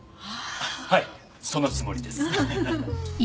はいそのつもりです。